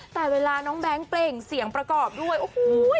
แต่เวลาน้องแบงค์เปล่งเสียงประกอบด้วยโอ้โห